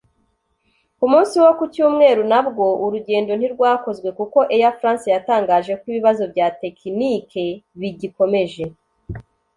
Ku munsi wo ku Cyumweru na bwo urugendo ntirwakozwe kuko Air France yatangaje ko ibibazo bya tekinike bigikomeje